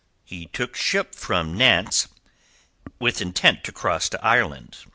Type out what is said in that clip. He took ship from Nantes with intent to cross to Ireland.